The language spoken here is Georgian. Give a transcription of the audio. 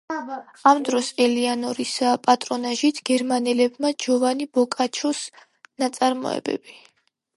ამ დროს ელეანორის პატრონაჟით გერმანელებმა ჯოვანი ბოკაჩოს ნაწარმოებები.